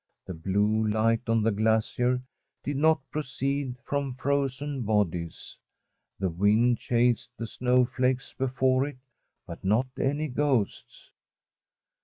The blue light on the glacier did not proceed from frozen bodies; the wind chased the snowflakes before it, but not any ghosts.